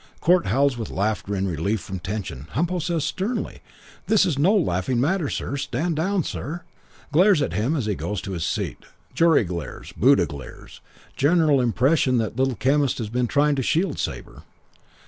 Court howls with laughter in relief from tension. Humpo says sternly, 'This is no laughing matter, sir. Stand down, sir.' Glares after him as he goes to his seat. Jury glares. Buddha glares. General impression that little chemist has been trying to shield Sabre.